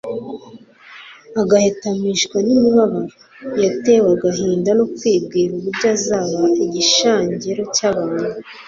agahetamishwa n'imibabaro." Yatewe agahinda, no kwibwira uburyo azaba igishangero cy'abantu